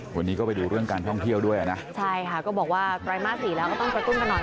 วันนี้ก็ไปดูเรื่องการท่องเที่ยวด้วยอ่ะนะใช่ค่ะก็บอกว่าไตรมาสสี่แล้วก็ต้องกระตุ้นกันหน่อย